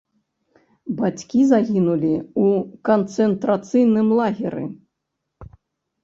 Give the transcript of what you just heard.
Бацькі загінулі ў канцэнтрацыйным лагеры.